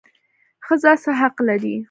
ښځه څه حق لري؟